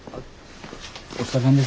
お疲れさんです。